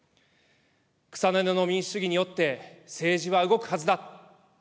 草の根の民主主義によって政治は動くはずだ。